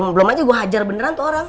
belum aja gue hajar beneran tuh orang